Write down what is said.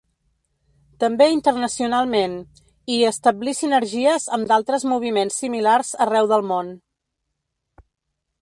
També internacionalment, i a establir sinergies amb d'altres moviments similars arreu del món.